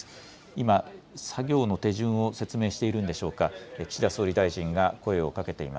今、作業の手順を説明しているんでしょうか。